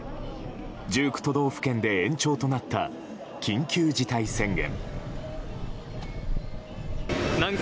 １９都道府県で延長となった緊急事態宣言。